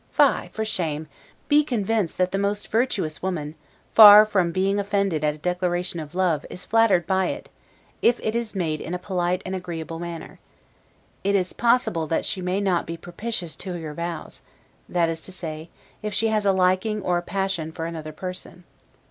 Fie, for shame! Be convinced that the most virtuous woman, far from being offended at a declaration of love, is flattered by it, if it is made in a polite and agreeable manner. It is possible that she may not be propitious to your vows; that is to say, if she has a liking or a passion for another person.